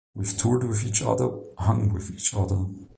We've toured with each other, hung with each other.